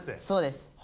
そうです。